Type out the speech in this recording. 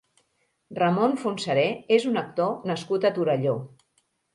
Ramon Fontserè és un actor nascut a Torelló.